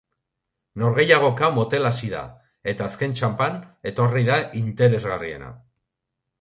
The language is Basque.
Norgehiagoka motel hasi da, eta azken txanpan etorri da interesgarriena.